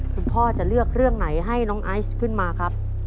พ่อจะเลือกเรื่องไหนให้น้องไอซ์ขึ้นมาครับ